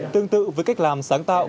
tương tự với cách làm sáng tạo